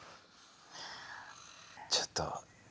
ちょっと。